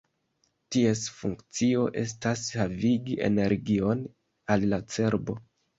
Ties funkcio estas havigi energion al la cerbo.